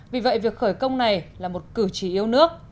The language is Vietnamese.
vì vậy việc khởi công này là một cử tri yêu nước